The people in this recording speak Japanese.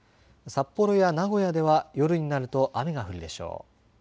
札幌や名古屋では夜になると雨が降るでしょう。